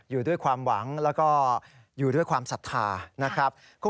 อยู่ด้วยความหวังแล้วก็อยู่ด้วยความศรัทธานะครับ